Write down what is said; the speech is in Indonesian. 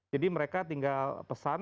jadi mereka tinggal pesan